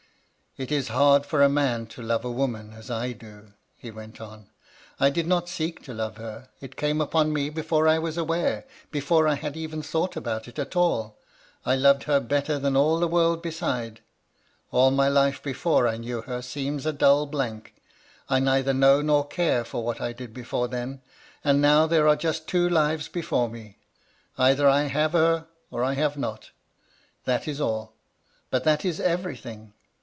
* It is hard for a man to love a woman as I do,' he went on, * I did not seek to love her, it came upon me before I was aware — ^before I had ever thought about it at all, I loved her better than all the world beside. All my life before I knew her, seems a dull blank. I neither know nor care for what I did before then. And now there are just two lives before me. Either I have her, or I have not. That is all : but that is everything.